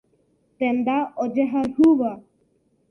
Tenda ojehayhúva.